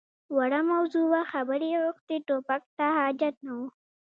_وړه موضوع وه، خبرې يې غوښتې. ټوپک ته حاجت نه و.